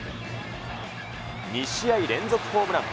２試合連続ホームラン。